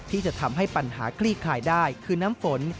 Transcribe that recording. ที่จะทำให้ปัญหาคลี่คลายได้คือน้ำฝน